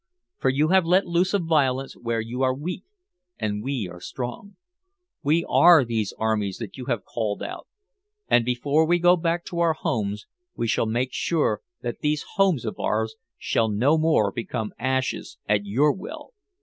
For you have let loose a violence where you are weak and we are strong. We are these armies that you have called out. And before we go back to our homes we shall make sure that these homes of ours shall no more become ashes at your will.